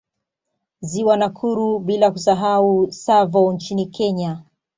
Ziwa Nakuru bila kusahau Tsavo nchini Kenya